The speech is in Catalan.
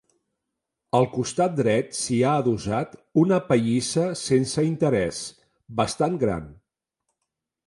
Al costat dret s'hi ha adossat una pallissa sense interès, bastant gran.